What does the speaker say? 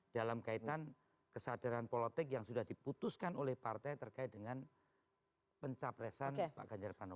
dalam kaitan kesadaran politik yang sudah diputuskan oleh partai terkait dengan pencapresan pak ganjar pranowo